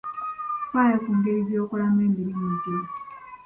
Ffaayo ku ngeri gy'okolamu emirimu gyo.